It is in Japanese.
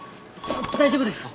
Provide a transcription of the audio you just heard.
大丈夫ですか！？